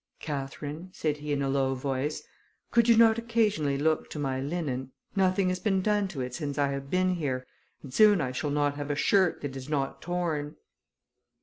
"Catherine," said he, in a low voice, "could you not occasionally look to my linen? Nothing has been done to it since I have been here, and soon I shall not have a shirt that is not torn."